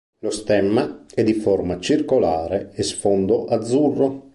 Lo stemma è di forma circolare e sfondo azzurro.